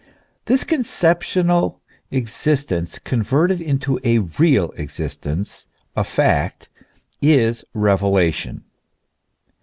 This conceptional existence converted into a real existence, a fact, is revelation.